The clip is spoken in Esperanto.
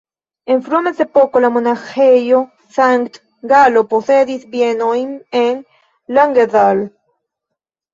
En frua mezepoko la Monaĥejo Sankt-Galo posedis bienojn en Langenthal.